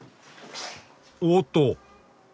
おっと！